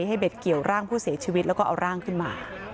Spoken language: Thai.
เบ็ดเกี่ยวร่างผู้เสียชีวิตแล้วก็เอาร่างขึ้นมา